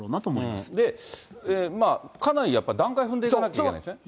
まあ、かなりやっぱり段階踏んでいかなきゃいけないんですね。